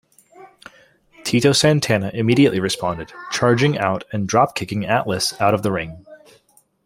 Tito Santana immediately responded, charging out and dropkicking Atlas out of the ring.